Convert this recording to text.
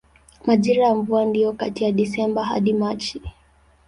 Majira ya mvua ndiyo kati ya Desemba hadi Machi.